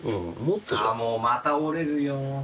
ああもうまた折れるよ。